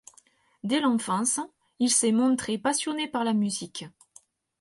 Dès l'enfance, il s'est montré passionné par la musique.